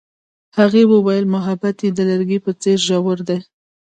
هغې وویل محبت یې د لرګی په څېر ژور دی.